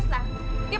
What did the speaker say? tidak miniat jeans